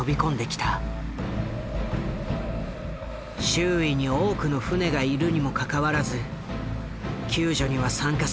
周囲に多くの船がいるにもかかわらず救助には参加せずなぜか待機していた。